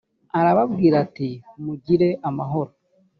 arababwira ati mugire amahoro